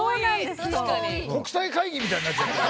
国際会議みたいになっちゃってる。